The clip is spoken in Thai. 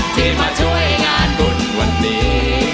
ที่มาช่วยงานบุญวันนี้